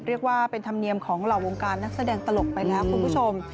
เรียกว่าเป็นธรรมเนียมของเหล่าวงการนักแสดงตลกไปแล้วคุณผู้ชม